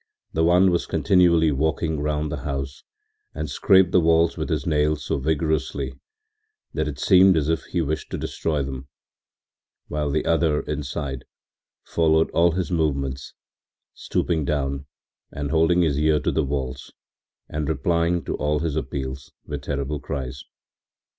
The one was continually walking round the house and scraped the walls with his nails so vigorously that it seemed as if he wished to destroy them, while the other, inside, followed all his movements, stooping down and holding his ear to the walls and replying to all his appeals with terrible cries.